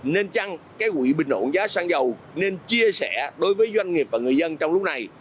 nên chăng cái quỹ bình ổn giá xăng dầu nên chia sẻ đối với doanh nghiệp và người dân trong lúc này